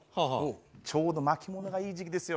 ちょうど巻き物がいい時期ですよ